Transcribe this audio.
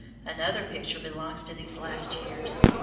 Another picture belongs to these last years.